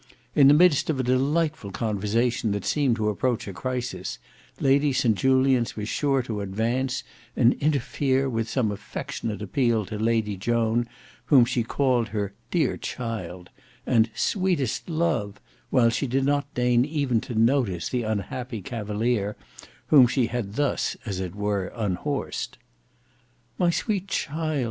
In the midst of a delightful conversation that seemed to approach a crisis, Lady St Julians was sure to advance, and interfere with some affectionate appeal to Lady Joan, whom she called her "dear child" and "sweetest love," while she did not deign even to notice the unhappy cavalier whom she had thus as it were unhorsed. "My sweet child!"